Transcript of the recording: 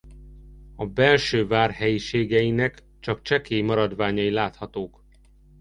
A belső vár helyiségeinek csak csekély maradványai láthatók.